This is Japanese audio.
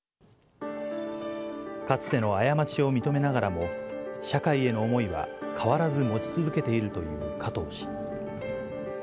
かつての過ちを認めながらも、社会への思いは変わらず持ち続けているという加藤氏。